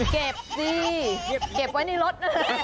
เก็บสิเก็บไว้ในรถ